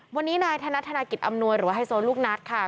วันนี้นายธนัดธนากิจอำนวยหรือว่าไฮโซลูกนัดค่ะ